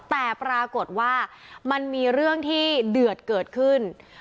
แต่ปรากฏว่ามันมีเรื่องที่เดือดเกิดขึ้น